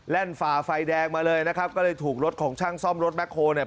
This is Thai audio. ฝ่าไฟแดงมาเลยนะครับก็เลยถูกรถของช่างซ่อมรถแคคโฮลเนี่ย